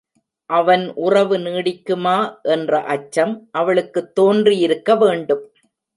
அவன் உறவு நீடிக்குமா என்ற அச்சம் அவளுக்குத் தோன்றி இருக்க வேண்டும்.